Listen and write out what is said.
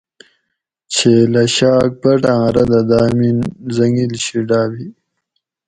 چھیلہ شاۤک بٹآۤں ردہ دامین حٔنگیل شی ڈابی